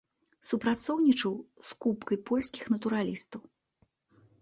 Супрацоўнічаў з купкай польскіх натуралістаў.